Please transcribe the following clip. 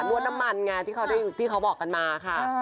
วดน้ำมันไงที่เขาบอกกันมาค่ะ